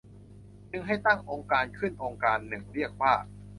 จึงให้ตั้งองค์การณ์ขึ้นองค์การณ์หนึ่งเรียกว่า